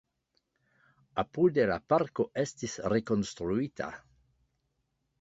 Apude la parko estis rekonstruita.